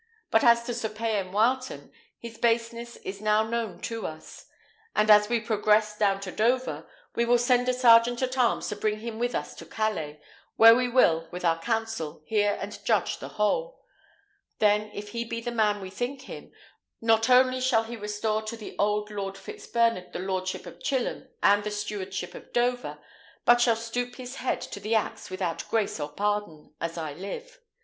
But as to Sir Payan Wileton, his baseness is now known to us; and as we progress down to Dover, we will send a sergeant at arms to bring him with us to Calais, where we will, with our council, hear and judge the whole. Then, if he be the man we think him, not only shall he restore to the old Lord Fitzbernard the lordship of Chilham and the stewardship of Dover, but shall stoop his head to the axe without grace or pardon, as I live.